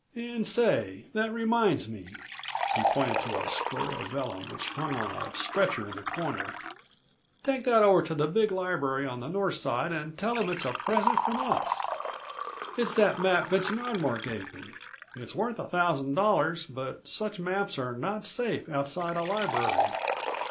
"And, say, that reminds me," he pointed to a square of vellum which hung on a stretcher in the corner. "Take that over to the big library on the North Side and tell 'em it's a236 present from us. It's that map Vincent Ardmore gave me. It's worth a thousand dollars, but such maps are not safe outside a library.